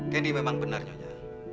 candy memang benar nyonya